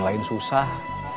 kerjaan lain susah